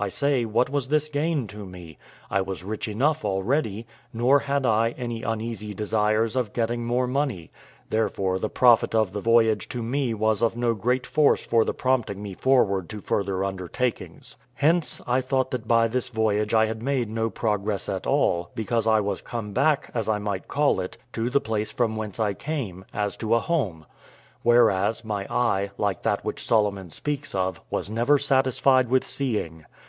I say, what was this gain to me? I was rich enough already, nor had I any uneasy desires about getting more money; therefore the profit of the voyage to me was of no great force for the prompting me forward to further undertakings. Hence, I thought that by this voyage I had made no progress at all, because I was come back, as I might call it, to the place from whence I came, as to a home: whereas, my eye, like that which Solomon speaks of, was never satisfied with seeing.